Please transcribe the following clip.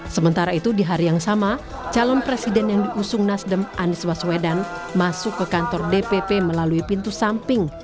sementara itu di hari yang sama calon presiden yang diusung nasdem anies baswedan masuk ke kantor dpp melalui pintu samping